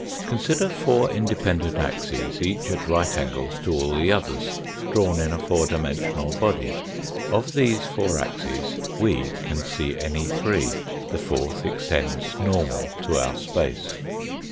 Consider four independent axes each at right angles to all the others, drawn in a four dimensional body. Of these, four axes we can see any three. The fourth extends normal to our space.